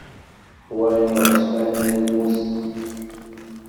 Qwan iɣezzfanen ufus.